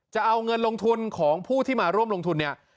จะเอาเงินลงทุนของผู้ที่มาร่วมลงทุนเนี่ย